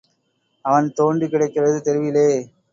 அவன் தோண்டி கிடக்கிறது தெருவிலே.